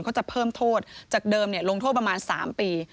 เขาจะเพิ่มโทษจากเดิมลงโทษประมาณ๓ปี